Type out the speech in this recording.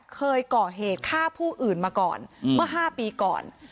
เคยก่อเหตุฆ่าผู้อื่นมาก่อนเมื่อ๕ปีก่อน